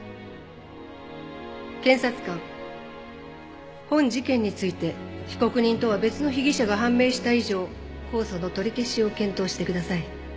検察官本事件について被告人とは別の被疑者が判明した以上控訴の取り消しを検討してください。